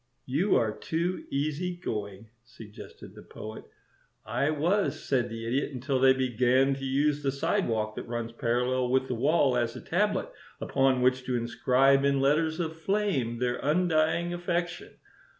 "You are too easy going," suggested the Poet. "I was," said the Idiot, "until they began to use the sidewalk that runs parallel with the wall as a tablet upon which to inscribe in letters of flame their undying affection.